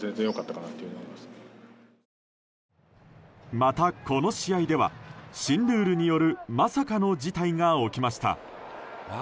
また、この試合では新ルールによるまさかの事態が起きました。